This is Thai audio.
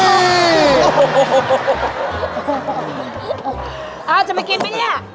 เอาจะไปกินไหมเนี่ย